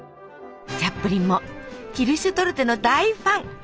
チャップリンもキルシュトルテの大ファン！